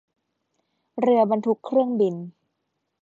เรือบรรทุกเครื่องบิน